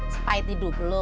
sepahit hidup lu